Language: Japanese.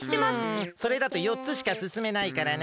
んそれだとよっつしかすすめないからな。